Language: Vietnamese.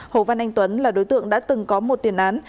hồ văn anh tuấn là đối tượng đã từng có một tiền án